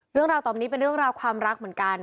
เรื่องราวต่อไปนี้เป็นเรื่องราวความรักเหมือนกัน